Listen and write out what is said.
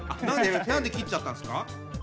何で切っちゃったんですか？